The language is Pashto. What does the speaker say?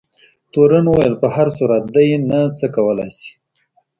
تورن وویل په هر صورت دی نه څه کولای شي.